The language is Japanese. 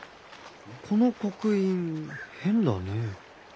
この刻印変だねえ。